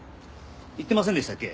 言ってませんでしたっけ？